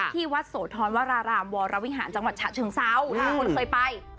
ที่วัดโสธรวรารามวรวิหารจังหวัดฉะเชิงเซาหลายคนเคยไป